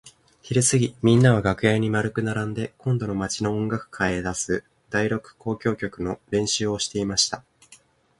ひるすぎみんなは楽屋に円くならんで今度の町の音楽会へ出す第六交響曲の練習をしていました。